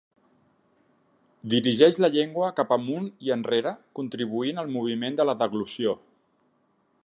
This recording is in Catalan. Dirigeix la llengua cap amunt i enrere contribuint al moviment de la deglució.